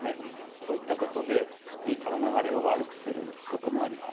そういったことでリンパの流れを悪くすることもあります。